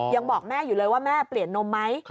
ยังบอกแม่อยู่เลยว่าแม่เปลี่ยนนมไหม